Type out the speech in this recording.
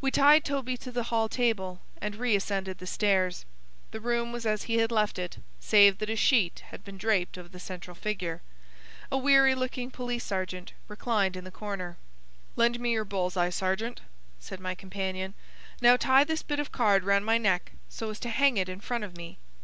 We tied Toby to the hall table, and re ascended the stairs. The room was as he had left it, save that a sheet had been draped over the central figure. A weary looking police sergeant reclined in the corner. "Lend me your bull's eye, sergeant," said my companion. "Now tie this bit of card round my neck, so as to hang it in front of me.